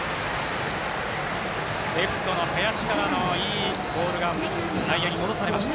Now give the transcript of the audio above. レフトの林からのいい送球が内野に戻されました。